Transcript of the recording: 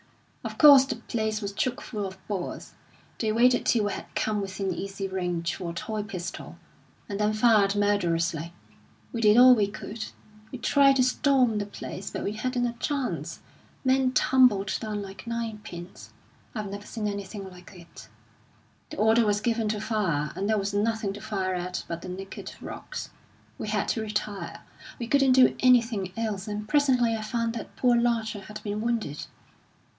Of course, the place was chock full of Boers; they waited till we had come within easy range for a toy pistol, and then fired murderously. We did all we could. We tried to storm the place, but we hadn't a chance. Men tumbled down like nine pins. I've never seen anything like it. The order was given to fire, and there was nothing to fire at but the naked rocks. We had to retire we couldn't do anything else; and presently I found that poor Larcher had been wounded.